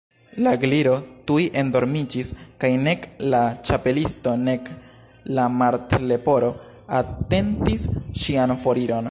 La Gliro tuj endormiĝis; kaj nek la Ĉapelisto nek la Martleporo atentis ŝian foriron.